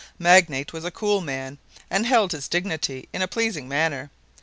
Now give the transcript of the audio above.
Magnate was a cool man, and held his dignity in a pleasing manner.